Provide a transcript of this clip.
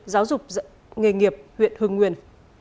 giáo dục nghề nghiệp huyện hưng nguyên